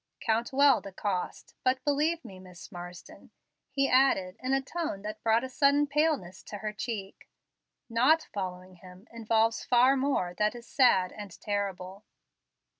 Count well the cost. But, believe me, Miss Marsden," he added, in a tone that brought a sudden paleness to her cheek, "not following Him involves far more that is sad and terrible."